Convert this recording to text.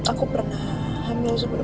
aku pernah hamil sebelum keadaan